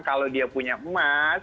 kalau dia punya emas